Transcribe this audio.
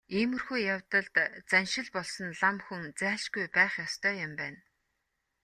Иймэрхүү явдалд заншил болсон лам хүн зайлшгүй байх ёстой юм байна.